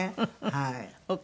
はい。